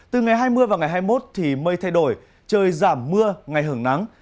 từ ngày hai mươi và ngày hai mươi một thì mây thay đổi trời giảm mưa ngày hưởng nắng